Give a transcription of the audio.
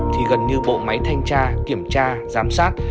thì gần như bộ máy thanh tra kiểm tra giám sát